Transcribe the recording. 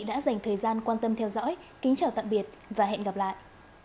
cảm ơn các bạn đã theo dõi kính chào tạm biệt và hẹn gặp lại